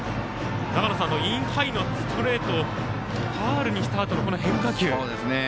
インハイのストレートをファウルにしたあとのこの変化球。